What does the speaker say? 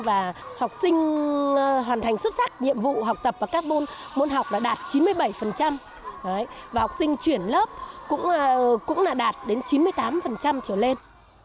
và học sinh hoàn thành xuất sắc nhiệm vụ học tập và các môn học đã đạt chín mươi bảy và học sinh chuyển lớp cũng đạt đến chín mươi tám trở lên